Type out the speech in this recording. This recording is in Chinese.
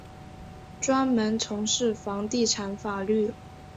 专门从事房地产法律。